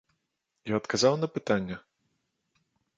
Я адказаў на пытанне?